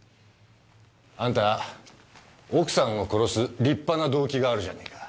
あんた奥さんを殺す立派な動機があるじゃねえか。